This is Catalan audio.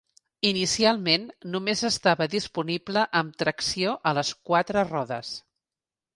Inicialment, només estava disponible amb tracció a les quatre rodes.